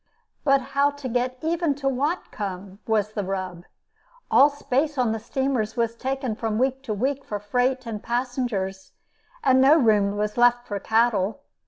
But how to get even to Whatcom was the rub. All space on the steamers was taken from week to week for freight and passengers, and no room was left for cattle.